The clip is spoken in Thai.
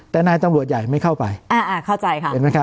แต่นายตำรวจใหญ่ไม่เข้าไปเห็นไหมครับ